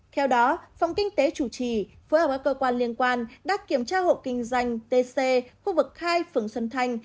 theo đó phòng kinh tế chủ trì phối hợp với cơ quan liên quan đã kiểm tra hộ kinh doanh tc khu vực hai phường xuân thanh